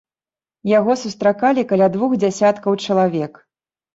Яго сустракалі каля двух дзясяткаў чалавек.